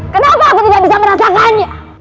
kenapa aku tidak bisa merasakannya